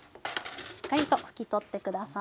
しっかりと拭き取って下さい。